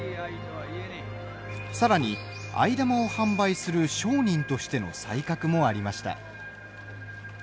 さらに、藍玉を販売する商人としての才覚もありました。